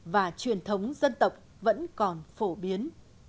và truyền thống dân tộc vẫn còn phổ biến